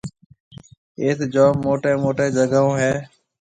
ايٿ جوم موٽيَ موٽيَ جگھاهون هيَ۔